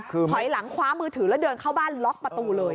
ถอยหลังคว้ามือถือแล้วเดินเข้าบ้านล็อกประตูเลย